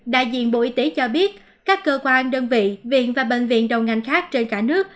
đại diện bộ y tế cho biết các cơ quan đơn vị viện và bệnh viện đầu ngành khác trên cả nước